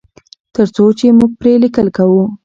تر څو چې موږ پرې لیکل کوو.